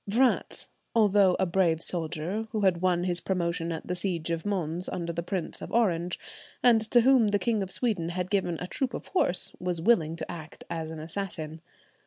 Vratz, although a brave soldier, who had won his promotion at the siege of Mons, under the Prince of Orange, and to whom the King of Sweden had given a troop of horse, was willing to act as an assassin.